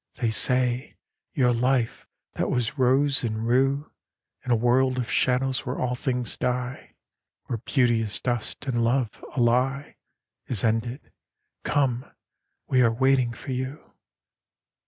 They say, 'Your life, that was rose and rue, In a world of shadows where all things die, Where beauty is dust, and love, a lie, Is ended. Come! we are waiting for you.